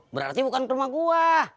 berarti bukan rumah gue